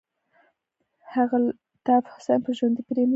هغه الطاف حسين به ژوندى پرې نه ږدم.